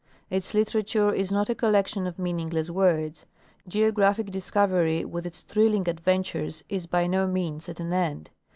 Its literature is not a collection of meaningless words. GeograjDhic discovery with its thrilling adventures is by no means at an end.